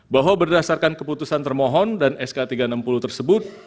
bahwa berdasarkan keputusan termohon dan sk tiga ratus enam puluh tersebut